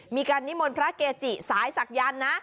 มีการนิมนต์พระเกจิสายศักยันต์นะ